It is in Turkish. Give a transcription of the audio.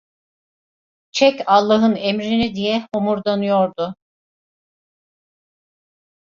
Çek Allahın emrini! diye homurdanıyordu.